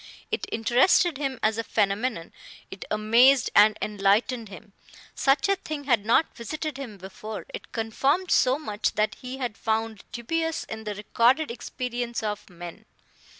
It interested him as a phenomenon; it amazed and enlightened him. Such a thing had not visited him before; it confirmed so much that he had found dubious in the recorded experience of men.